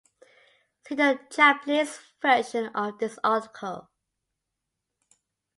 See the Japanese version of this article.